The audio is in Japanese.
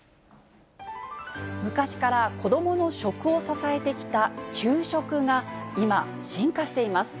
昔から子どもの食を支えてきた給食が今、進化しています。